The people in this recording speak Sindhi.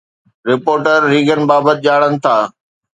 رپورٽر ريگن بابت ڄاڻن ٿا